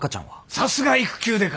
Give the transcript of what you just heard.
さすが育休刑事！